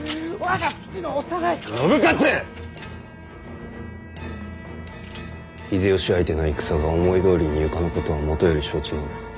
秀吉相手の戦が思いどおりにいかぬことはもとより承知の上。